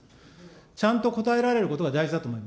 ちゃんと答えられることが大事だと思います。